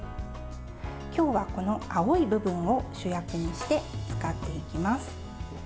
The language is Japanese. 今日はこの青い部分を主役にして使っていきます。